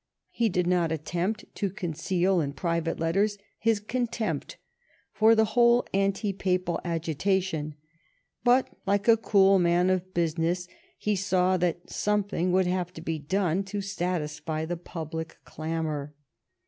He did not attempt to conceal in pri vate letters his contempt for the whole an ti Papal agitation, but, like a cool man of business, he saw that something would have to be done to satisfy the public clamor.